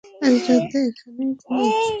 আজ রাতে এখানেই ঘুমাও।